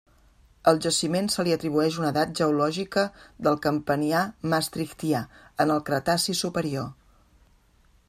Al jaciment se li atribueix una edat geològica del Campanià-Maastrichtià, en el Cretaci superior.